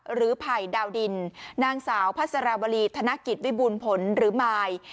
หรือภัยดาวดินนางสาวพัศราบรีธธนกิจวิบูรณ์ผลหรือไมล์